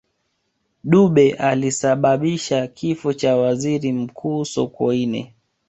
dube alisababisua kifo cha waziri mkuu sokoine